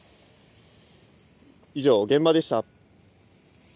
以上、現場でした。